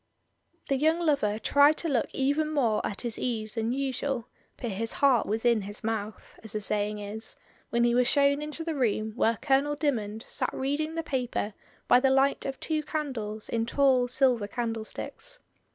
The young lover tried to look even more at his ease than usual, but his heart was in his mouth, as the saying is, when he was shown into the room where Colonel Dymond sat reading the paper by the light of two candles in tall silver candlesticks.